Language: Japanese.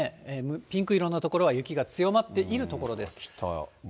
ピンク色の所は雪が強まっている所です。